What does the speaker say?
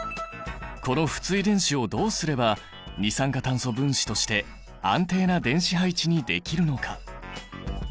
この不対電子をどうすれば二酸化炭素分子として安定な電子配置にできるのか？